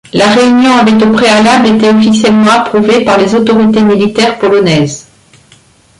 La réunion avait au préalable été officiellement approuvée par les autorités militaires polonaises.